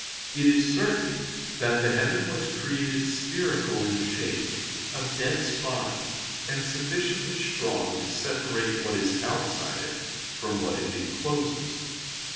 "It is certain that the heaven was created spherical in shape, of dense body, and sufficiently strong to separate what is outside it from what it encloses.